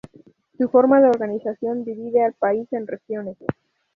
Su forma de organización divide al país en regiones.